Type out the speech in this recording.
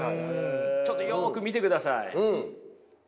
ちょっとよく見てください。